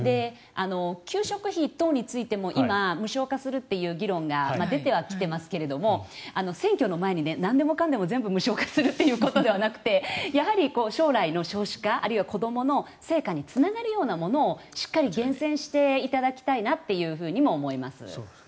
給食費等についても今、無償化するという議論が出てきてはいますが選挙の前になんでもかんでも全部無償化するということではなくてやはり、将来の少子化あるいは子どもの成果につながるようなものをしっかり厳選していただきたいなと思います。